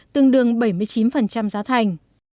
tương đương bảy mươi chín giá thành